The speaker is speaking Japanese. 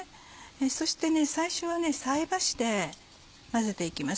そして最初は菜箸で混ぜていきます。